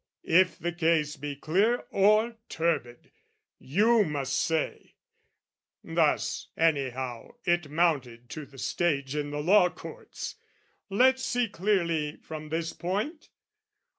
If the case be clear or turbid, you must say! Thus, anyhow, it mounted to the stage In the law courts, let's see clearly from this point!